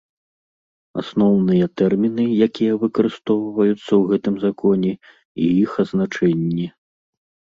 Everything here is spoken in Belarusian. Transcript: Асноўныя тэрмiны, якiя выкарыстоўваюцца ў гэтым Законе, i iх азначэннi.